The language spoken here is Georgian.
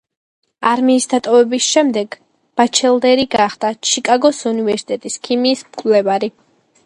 არმიის დატოვების შემდეგ, ბაჩელდერი გახდა ჩიკაგოს უნივერსიტეტის ქიმიის მკვლევარი.